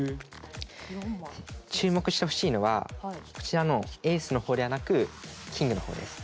注目してほしいのはこちらのエースの方ではなくキングの方です。